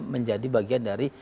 menjadi bagian dari